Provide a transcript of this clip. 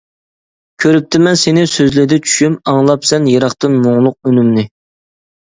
كۆرۈپتىمەن سېنى سۆزلىدى چۈشۈم، ئاڭلاپسەن يىراقتىن مۇڭلۇق ئۈنۈمنى.